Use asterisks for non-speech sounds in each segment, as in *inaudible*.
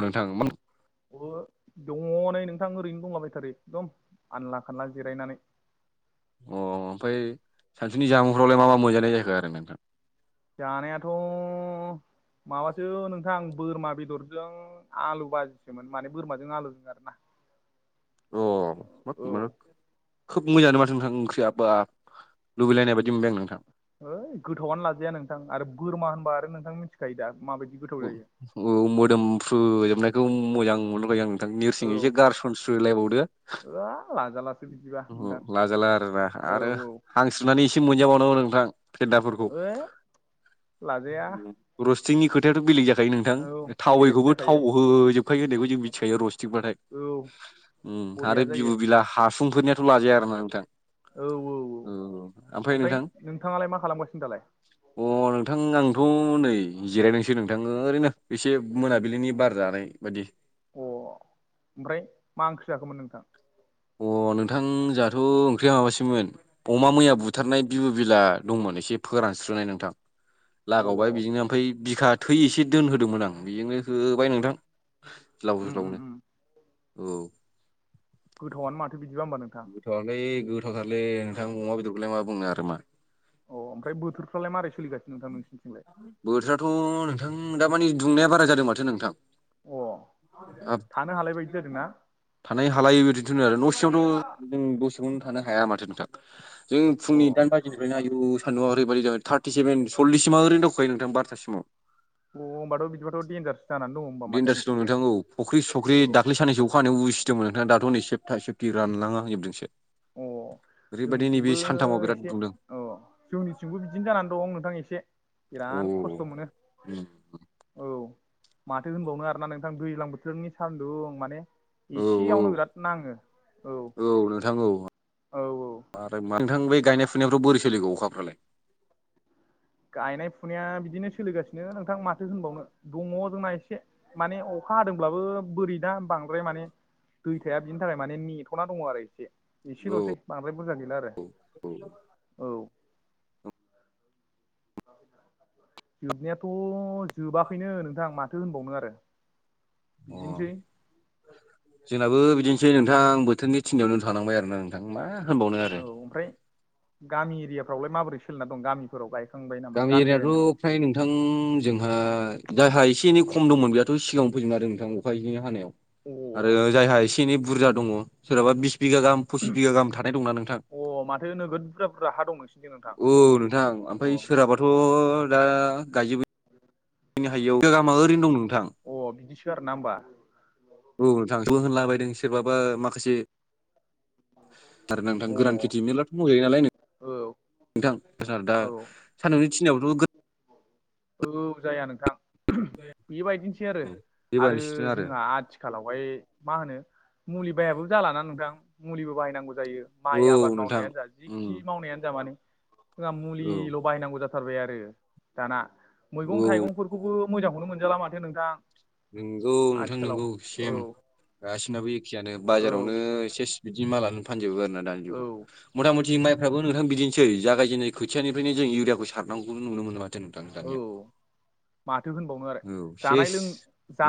बुंनो थाङोमोन अ' दङ नै नोंथां ओरैनो दंलाबायथारो एखदम आनला खानला जिरायनानै अ' ओमफ्राय सानसुनि जामुंफ्रावलाय मा मा मोनजानाय जाखो आरो नोंथां। जानायाथ' माबासो नों थां बोरमा बेदरजों आलु बाजिसोमोन माने बोरमाजों आलुजों आरोना। अ' औ *unintelligible* खोब मोजांङानो माथो नोंथां ओंख्रिया बा लुबैलायनाय बायदि मोनबाय आं नोंथां। है गोथावनो लाजाया नोंथां आरो बोरमा होनबा आरो नोंथां मिथिखायो दा माबायदि गोथाव जायो। औ मोदोमफ्रुजोबनायखौ मोजां मोनबाय आंङो। नोरसिं एसे गारसनस्रोलायबावदो बा लाजा लाासो बिदिबा नोंथां लाजाला आरोना औ आरो औ हांस्रोनानै एसे मोनजाबावनांगौ नोंथां फेन्दाफोरखौ ओइ लाजाया रस्टिंनि खोथायाथ' बेलेग जाखायो औ नोंथां बेलेग थावैखौबो जाखायो थाव औ *unintelligible* बरिया आरो जायो बिबु बिला हा फुंफोरनियाथ' लाजाया आरो ना नोंथां। औ ओमफ्राय नोंथां नोंथाङालाय मा खालामगासिनो दालाय अ अ नोंथां आंथ' नै जिरायदोंसै नोंथां ओरैनो एसे मोनाबिलिनि बार जानाय बायदि अ ओमफ्राय मा ओंख्रि जाखोमोन नोंथां? अ नोंथां जोंहाथ' ओंख्रिया माबासैमोन अमा मैया बुथारनाय बिबु बिला दंमोन एसे फोरानस्रोनाय नोंथां। अ लागावबाय बिजोंनो ओमफ्राय बिखा थै एसे दोनहोदोंमोन आं बेजोंनो होबाय ए नोंथां। ज्लाव उम ज्लाव उम नो उम औ। गोथावयानो माथो बिदिबा होमबा नोंथां गोथावयालाय गोथावथारलै नोंथां अमा बेदरखौलाय मा बुंनो आरो मा अ ओमफ्रायबोथोरफ्रालाय मारै सोलिगासिनो नोंथां नों बोथोराथ' नोंथां दा मानि दुंनाया बारा जादों माथो नोंथां। हाब थानो हालाय बायदि जादोंना? थानाय हालायै बिदिनोथ'नो आरो न' सिङावथ' जों दसेयावनो थानो हाया माथो नोंथां। जों अ फुंनि दाइन बाजिनिफ्रायनो आयु सान्दुुंआ ओरैबायदि जाबाय थार्टि सेभेन सल्लिससिमा ओरै दावखोखायो नोंथां बारथासिमाव। अ होनबाथ' बिदिबाथ' देन्जार बेन्डासो दं नोंथांखौ फ'ख्रि सख्रि औ दाख्लै साननसो अखानाय उसि सिदोंमोन नोंथाङा दाथ'नै सेबथा सेबथि रानलाङा होजोबदोंसो। अ ओरैबायदि जोंनिथिंबो नैबे सानथामाव एसे बिराद दुंदों। अ जोंनिथिंबो बिदिनो जानानै दं नोंथां एसे। औ बिराद खस्थ' मोनो औ। माथो होनबावनो आरोना नोंथां दैज्लां बोथोरनि सान्दुं माने एसेयावनो औ बिराद नाङो औ। औ नोंथां औ। औ औ मारै मा नोंथां बे गायनाय फुनायफ्राव बोरै सोलिगौ अखाफ्रालाय? गायनाय फुनाया बिदिनो सोलिगासिनो नोंथां माथो होनबावनो दङ जोंना एसे। माने अखा हादोंब्लाबो बोरै ना बांद्राय माने दैथाया बिनि थाखाय माने नेथ'ना दङ आरो एसे। एसेल'सै बांद्राय बुरजा गैला आरो औ। जोबनायाथ' जोबाखैनो नोंथां माथो होनबावनो आरो अ बिदिनोसै जोंनाबो बिदिनोसै नोंथां बोथोरनि थिननायावनो थांबाय आरो ना नोंथां मा होनबावनो आरो औ ओमफ्राय गामि एरियाफ्रावलाय माबोरै सोलिना दं गामिफोराव गाय गामि एरिआ थ फ्राय नोंथां जोंहा दाहा एसे एनै खम दंमोन बेहाथ' सिगाङांनो फोजोबनो आरो नोंथां अखा एसेनि हानायाव अ आरो जायहा एसे एनै बुरजा दङ सोरहाबा बिस बिगा गाहाम फसिस बिगा गाहाम थानाय दंना नोंथां। अ माथो नोगोद बुरजा बुरजा हा दं नोंसोरनि दं नोंथां अ जाबाथ' दा गायजोबो *inaudible* नो हायैयाव *unintelligible* मा ओरनो दं नोंथां। अ बिदिसो आरो ना होनोमबा। औ थांबो होनलाबायायदों सोरबाबा माखासे आरो ना नोंथां अ गोरान खेथि *unintelligible* औ मेर्लाथ' मोज गायो नालाय नोंथां। आरो दा औ सान्दुंनि थिनायावथ' औ जाया नोंथां बेबायदिनोसै आरो आरो जोंहा आथिख आथिखालावहाय मा होनो मुलि बायाबो जालाना नोंथां मुलिबो बायनांगौ जायो औ माइ आबाद नोंथां मावनायानो जा जि उम थि मावनायानो जा माने जोंहा औ मुलिल' बाहायनांगौ जाथारबाय आरो दाना औ मैगं थाइगंफो खौबो मोजांखौनो मोनजाला माथो नोंथां नोंगौ नोंथां आथिखालाव नोंगौ औ सेम गासिनाबो एखेयानो औ बाजारावनो एसे बिदि मालानो फानजोबो आरोना दानि जुगाव मथा मथि माइफ्राबो नोंथां बिदिनोसै जागायजेननाय खोथियानिफ्रायनो जों इउरिखौ सारनांगखौ नुनो मोन औ माथो होनबावनो आरो औ जानाय सेस लों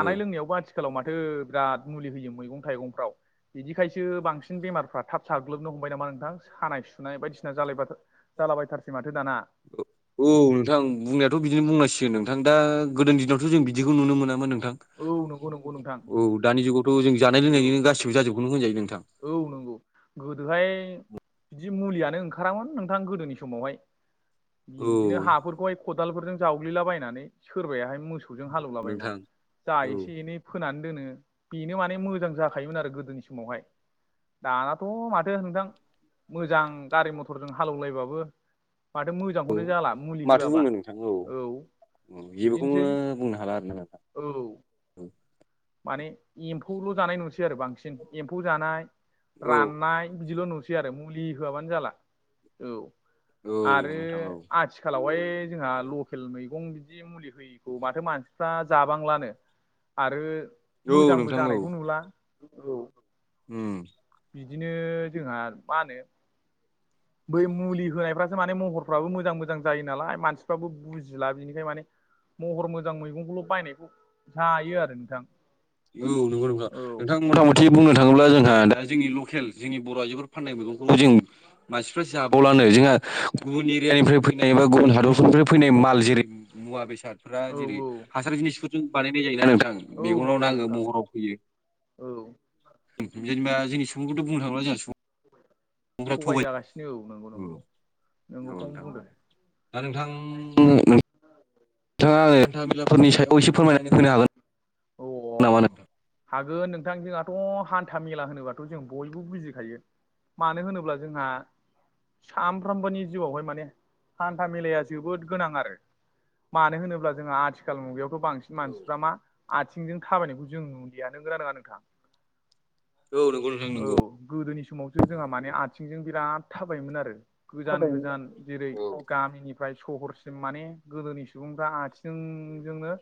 औ लोंनायावबो आथिखालाव माथो बिराद मुलि होयो मैगं थाइगंफ्राव। बिदिखायसो बांसिन बेमारफ्रा थाब साग्लोबनो हमबाय नामा नोंथां सानाय सुनाय बायदिसिना जालाय जालाबायथारसै माथो दाना औ नोंथां बुंनायाथ' बिदिनो बुंनांसिगोन नोंथां दा गोदोनि दिनावथ' जों बिदिखौ नुनो मोनामोन नोंथां औ नंगौ नंगौ नोंथां औ दानि जुगावथ' जों जानाय औ लोंनायनि गासिबो जाजोबगोन होनजायो नोंथां औ नंगौ गोदोहाय बिदि मुलियानो ओंखारामोन नोंथां गोदोनि समावहाय औ बिदिनो हाफोरखौहाय खदालफोरजों जावग्लिलाबायनानै सोरबाहाय मोसौ फोरजों हालेवलाबायना नोंथां जा औ एसे एनै फोनानै दोनो बेनो माने मोजां जाखायोमोन आरो गोदोनि समावहाय दानाथ' माथो नोंथां मोजां गारि मथरजों हालेवलायबाबो माथो मोजांखौनो जाला मुलि माथो बुंनो होआबा नोंथां औ औ बिदिनोसै जेबोखौनो बुंनो हाला आरो ना औ नोंथां माने एम्फौल' जानाय नुसै आरो बांसिन एम्फौ जानाय औ राननाय बिदिल' नुसै आरो मुलि होआबानो जाला औ औ आरो नोंथां औ आ आथिखालावहाय जोंहा लकेल मैगं बिदि मुलि होयैखौ माथो मानसिफ्रा जाबांलानो आरो औ मोजांबो नोंथां औ जानायखौ नुला औ उम बिदिनो जोंहा मा होनो बै मुलि होनायफ्रा माने महरफ्राबो मोजां मोजां जायो नालाय मानसिफ्राबो बुजिला बिनिखाय माने महर मोजां मैगंखौल' बायनायखौ जायो आरो नोंथां औ नंगौ औ नोंथां-नोंथां मुथा मुथि बुंनो थाङोब्ला जोंहा दा जोंनि खेल जोंनि बर' आइजोफोर फाननाय मैगंफोरखौ जों मानसिफ्रा जाबावलानो जोंहा गुबुन एरियानिफ्राय फैनाय एबा गुबुन हादरफोरनिफ्राय फैनाय माल जेरै मुवा बेसाद फोरा औ जेरै हासार जिनिसफोरजों बानायनाय जायोना नोंथां औ मेगनाव नंगौ नंगौ नाङो नोंथां महराव फैयो औ जेनेबा जोंनि सुबुंखौथ' बुंनो थाङोब्ला जोंहा सुबुं थगायजागासिनो औ दा नंगौ-नंगौ नंगौखौनो बुंदों दा नोंथां नोंथाङा हान्था मेलाफोरनि सायाव एसे फोरमायनानै होनो हागोन औ अ नामा नोंथां हागोन नोंथांजोंहाथ' हान्था मेला होनोबाथ' जों बयबो बुजिखायो मानो होनोब्ला जोंहा सानफ्रोमबोनि जिउआवहाय माने हान्था मेलाया जोबोद गोनां आरो मानो होनोब्ला जोंहा आथिखाल मुगायावथ' बां मानसिफ्रा मा आथिंजों थाबायनायखौ जों नुुलियानो नंगौना नङा नोंथां औ नंगौ नोंथां नंगौ औ गोदोनि समावसो जोंहा माने आथिंजों बिराद थाबायोमोन आरो गोजान गोजान जेरै गामिनि ओमफ्राय सहरसिम माने गोदोनि सुबुंफ्रा आथिंजोंनो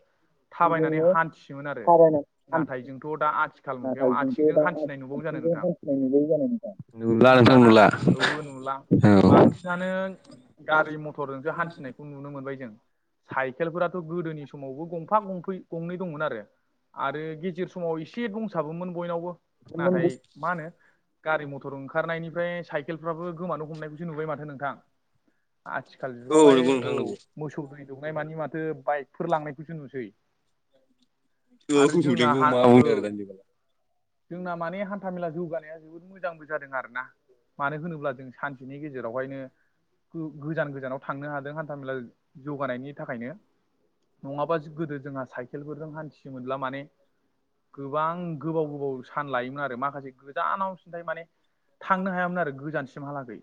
थाबायनानै जोंनो हान्थियोमोन आरो थाबायनाय हान्था नाथाय जोंथ' दा आथिखाल मुगायाव नाथाय जोंथ' आथिंजों दा हान्थिनाय नुबावो जानो आथिंजों नोंथां हान्थिनाय नुलायै जानाय नोंथां। नुला नोंथां नुलाना नुला औ नुला औ। बांसिनानो गारि मथरजोंसो हान्थिनायखौ नुनो मोनबाय जों साइकेलफोराथ' गोदोनि समावबो गं गंफा गंफै गंनै दंमोन आरो आरो गेजेर समाव एसे दंसाबोमोन बयनावबो नाथाय मा होनो गारि मथर ओंखारनायनिफ्राय साइकेलफ्राबो गोमानो हमनायखौसो नुबाय माथो नोंथां आथिखाल औ जुगावहाय नंगौ औ नोंथां नंगौ मोसौ दै दौनाय मानि माथो बाइकफोर लांनायखौसो नुसै औ आरो जोंहा नोंगौ हा मा औ बुंनो आरो दानि जोंना माने हान्था मेला जौगानाया जोबोद मोजांबो जादों आरोना मानो होनोब्ला जों सानसेनि गेजेरावहायनो गोजान गोजानाव थांनो हादों हान्थामेला जौगानायनि थाखायनो नङाबा ज गोदो जोंहा साइकेलफोरजों हान्थियोनब्ला माने गोबां गोबाव गोबाव सान लायोमोन आरो माखासे गोजानाव सिन्थाय माने थांनो हायामोन आरो गोजान सिमहालागै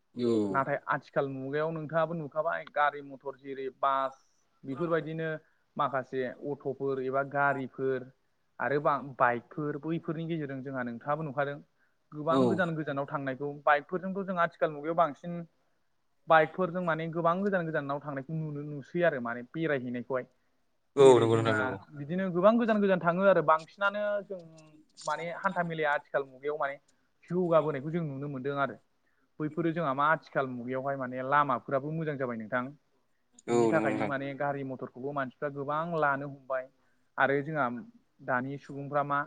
जुगाव औ। नाथाय आ आथिखाल मुगायाव नोंथाङाबो नुखाबाय गारि मथर जेरै बास बेफोरबायदिनो माखासे अट'फोर एबा गारिफोर आरो बा बाइकफोर बैफोरनि गेजेरजों जोंहा नोंथाङाबो नुखादों औ गोबां गोजान गोजानाव थांनायखौ बाइक फोरजोंथ' जों आथिखाल मुगायाव बांसिन बाइकफोरजों माने गोबां गोजान गोजानाव थांनाय नुनो नुसै आरो माने बेराय हैनायखौ हाय औ जेरै नंगौ नोंथां जोंहा नंगौ बिदिनो गोबां गोजान गोजान थाङो आरो बांसिनानो जों माने हान्था मेलाया आथिखाल मुगायाव माने जौगाबोनायखौ जों नुनो मोनदों आरो बैफोरो जोंहा मा आथिखाल मुगायावहाय माने लामाफोराबो मोजां जाबाय नोंथां बिनि औ नंगौ थाखायनो नोंथां माने गारि मथरखौबो मानसि गोबां लानो हमबाय आरो जोंहा दानि सुबुंफ्रा मा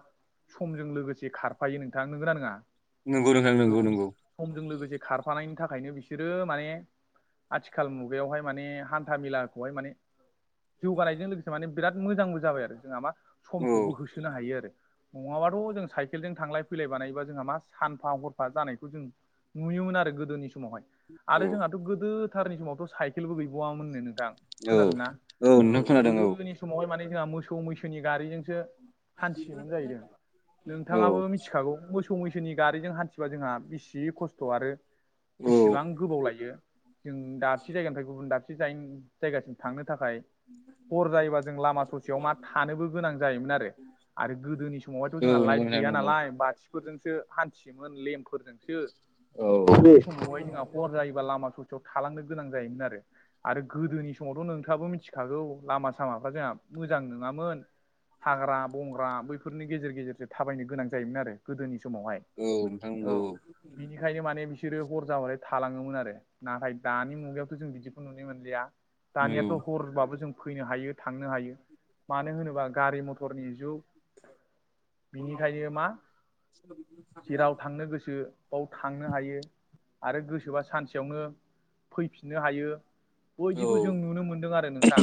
समजों लोगोसे खारफायो नोंथाङा नोंगोनना नोङा नंगौ नोंथां नोंगौ नोंगौ समजों लोगोसे खारफानायनि थाखायनो बिसोरो माने आथिखाल मुगायावहाय माने हान्था मेलाखौहाय माने जौगानायजों लोगोसे माने बिराद मोजांबो जाबाय आरो जोंहा मा औ समखौबो होसोनो हायो आरो नङाबाथ' जों साइकेलजों थांलाय फैलाय बानायबा जोंहा मा सानफा हरफा जानायखौ जों नुयोमोन आरो गोदोनि समावहाय आरो औ। जोंहाथ' गोदोथारनि समावथ' साइकेलबो गैबावामोननो नोंथां औ खोनादों ना औ नोंथां खोनादों औ गोदोनि समावहाय माने जोंहा मोसौ मैसोनि गारिजोंसो हान्थियोमोन जाहैदों नोंथाङाबो औ मिथिखागौ मोसौ मैसोनि गारिजों हान्थिबा जोंहा बेसे खस्थ' आरो औ बेसिबां गोबाव लायो जों दाबसे जायगानिफ्राय गुबुन दाबसे जाय जायगासिम थांनो थाखाय हर जायोबा जों लामा ससेयाव मा थानोबो गोनां जायोमोन आरो आरो गोदोनि समावहायथ' औ जोंहा नंगौ लाइट नोंथां गैया नंगौ। नालाय बाथिफोरजोंसो हान्थियोमोन लेम्प औ जोंहा हर जायोबा लामा ससेयाव थालांनो गोनां जायोमोन आरो आरो गोदोनि समावथ' नोंथाङाबो मिथि थागौ लामा सामाफ्रा जोंहा मोजां नङामोन हाग्रा बंग्रा बैफोरनि गेजेर गेजेरजों थाबायनो गोनां जायोमोन आरो गोदोनि समावहाय औ नोंथां नंगौ औ ओंखायनो माने बिसोरो हर जाबाथाय थालाङोमोन आरो नाथाय दानि मुगायावथ' जों बिदिखौ नुनो मोनलिया औ दानियाथ हरबाबो जों फैनो हायो थांनो हायो। मानो होनोबा गारि मथरनि जुग बिनिखायनो मा जेराव थांनो गोसो बाव थांनो हायो आरो गोसोबा सानसेयावनो फैफिननो हायो। औ बोयदिखौ जों नुनो मोन्दों आरो नोंथां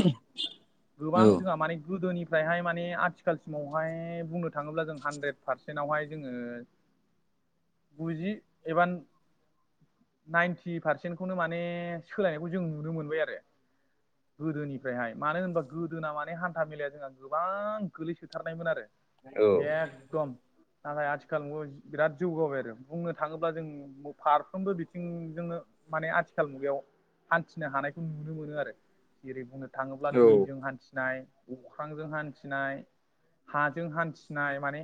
गोबां औ औ। जोंहा माने गोदोनि ओफ्रायहाय माने आथिखालसिमावहाय बुंनो थाङोब्ला जों हानद्रेद पारसेन्टावहाय जोङो बुजि एबान नाइनटि पारसेन्टखौनो माने सोलायनायखौ जों नुनो मोनबाय आरो गोदोनिफ्रायहाय मानो होनबा गोदोना माने हान्था मेलाया जोंहा गोबां गोलैसोथारनायमोन आरो एकदम नाथाय आथिखाल बिराद जौगाबाय आरो बुंनो थाङोब्ला जों फारफ्रोमबो बिथिंजोंनो माने आथिखाल मुगायाव हान्थिनो हानायखौ नुनो मोनो आरो जेरै बुंनो थाङोब्ला औ दैजों हान्थिनाय अख्रांजों हान्थिनाय हाजों हान्थिनाय माने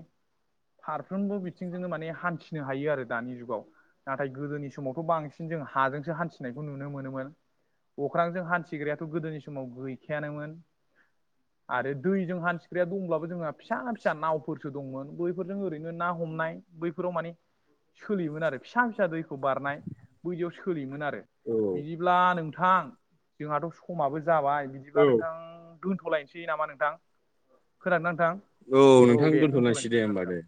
फारफ्रोमबो बिथिंजोंनो माने हान्थिनो हायो आरो दानि जुगाव नाथाय गोदोनि समावथ बांसिन जों हाजोंसो हान्थिनायखौ नुनो मोनोमोन अख्रांजों हान्थिग्रायाथ गोदोनि समाव गैखायानोमोन आरो दैजों हान्थिख्रिाया दंब्लाबो जोंहा फिसा फिसा नावफोरसो दंमोन बैफोरजों ओरैनो ना हनाय बैफोराव म सोलियोमोन आरो फि फि दै बारनाय ब सोलियोमोन आरो बिदिब्ला नोंथां जोंहाथ समाबो जाबाय बि बिदिब्ला औ नोंथां दोन्थलायनोसै नामा नोंथां खोनादों नोंथां? औ औ नोंथां दे दथल दोनथ'लायसै दे होमबा दा दे।